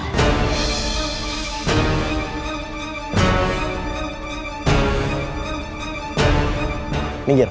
tidak mungkin gila